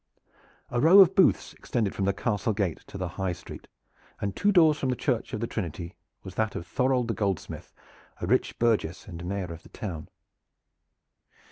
A row of booths extended from the castle gate to the high street, and two doors from the Church of the Trinity was that of Thorold the goldsmith, a rich burgess and Mayor of the town.